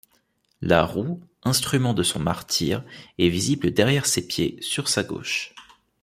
La roue, instrument de son martyre, est visible derrière ses pieds, sur sa gauche.